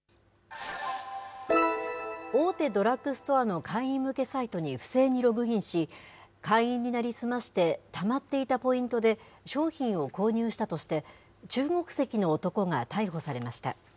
大手ドラッグストアの会員向けサイトに不正にログインし、会員に成り済ましてたまっていたポイントで商品を購入したとして、中国籍の男が逮捕されました。